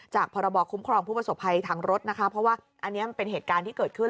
พรบคุ้มครองผู้ประสบภัยทางรถนะคะเพราะว่าอันนี้มันเป็นเหตุการณ์ที่เกิดขึ้น